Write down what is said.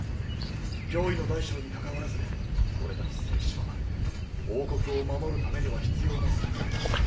脅威の大小にかかわらず俺たち聖騎士は王国を守るためには必要な存在だ。